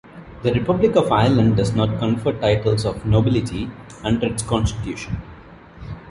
The Republic of Ireland does not confer titles of nobility under its constitution.